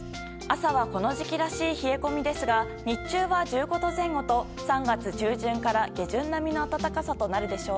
朝はこの時期らしい冷え込みですが日中は１５度前後と３月中旬から下旬並みの暖かさとなるでしょう。